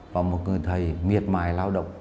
và một người thầy miệt mài lao động